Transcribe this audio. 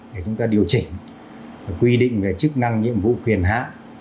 để chúng ta điều chỉnh quy định về chức năng nhiệm vụ quyền hạn